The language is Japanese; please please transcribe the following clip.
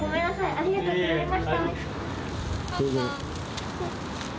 ありがとうございます。